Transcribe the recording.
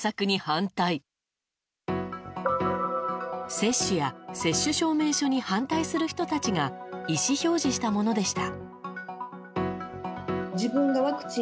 接種や接種証明書に反対する人たちが意思表示したものでした。